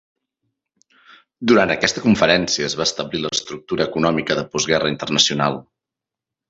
Durant aquesta conferència es va establir l'estructura econòmica de post-guerra internacional.